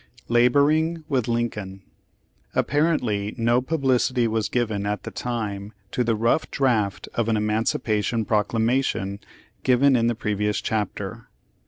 lABOEING WITH LINCOLN Apparently no publicity was given at the time to the rough draft of an emancipation proclamation given in the previous chapter.